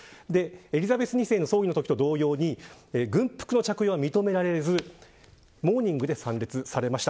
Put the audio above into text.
エリザベス２世の葬儀のときと同様に軍服の着用は認められずモーニングで参列されました。